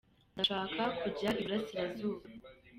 Ndashaka kujya iburasirazuba.